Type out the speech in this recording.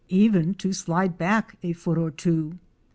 263 even to slide back a foot or two.